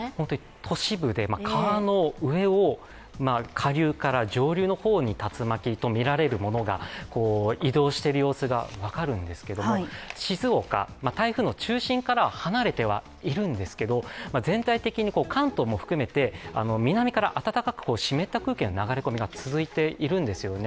都市部で、川の上を下流から上流の方に竜巻とみられるものが移動している様子がわかるんですけども、静岡、台風の中心からは離れてはいるんですけど、全体的に関東も含めて南から暖かく湿った空気の流れ込みが続いているんですね。